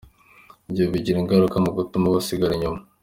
Ibyo bigira ingaruka mu gutuma basigara inyuma.